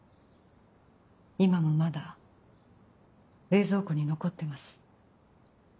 今もまだ冷蔵庫に残ってます。